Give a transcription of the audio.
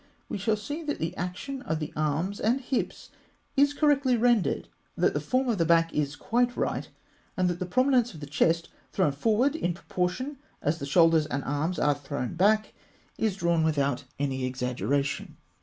165), we shall see that the action of the arms and hips is correctly rendered, that the form of the back is quite right, and that the prominence of the chest thrown forward in proportion as the shoulders and arms are thrown back is drawn without any exaggeration.